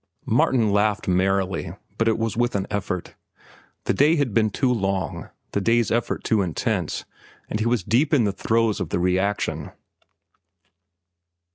Martin laughed merrily, but it was with an effort. The day had been too long, the day's effort too intense, and he was deep in the throes of the reaction.